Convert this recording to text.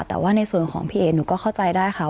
แต่ว่าในส่วนของพี่เอ๋หนูก็เข้าใจได้ค่ะ